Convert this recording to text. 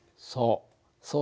そう。